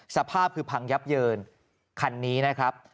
สภาพคือพังยับเยินคันนี้นะครับ